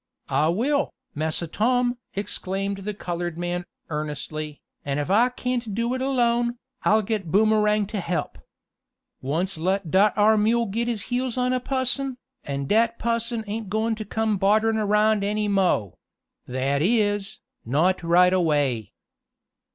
"I will, Massa Tom!" exclaimed the colored man, earnestly, "an' if I can't do it alone, I'll get Boomerang t' help. Once let dat ar' mule git his heels on a pusson, an' dat pusson ain't goin' t' come bodderin' around any mo' that is, not right away."